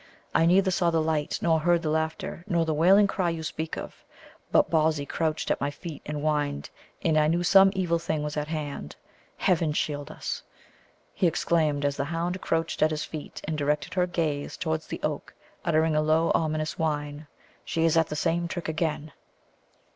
"I neither saw the light, nor heard the laughter, nor the wailing cry you speak of; but Bawsey crouched at my feet and whined, and I knew some evil thing was at hand. Heaven shield us!" he exclaimed, as the hound crouched at his feet, and directed her gaze towards the oak, uttering a low ominous whine, "she is at the same trick again."